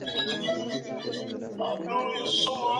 Sus estudios básicos los realizó en Cuernavaca, Morelos.